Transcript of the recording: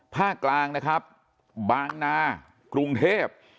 ภาคกลางนะครับบางนากรุงเทพ